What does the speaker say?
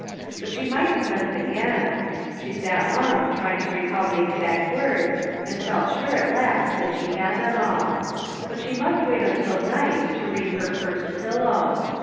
But she might commence again ; she sat long, trying to recall the exact words, and felt sure, at last, that she had them all. But she must wait until night to read her first " pillow."